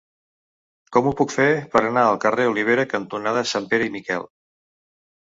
Com ho puc fer per anar al carrer Olivera cantonada Sanpere i Miquel?